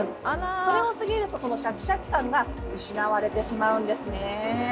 それを過ぎるとそのシャキシャキ感が失われてしまうんですね。